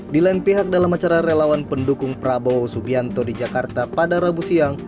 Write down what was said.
di lain pihak dalam acara relawan pendukung prabowo subianto di jakarta pada rabu siang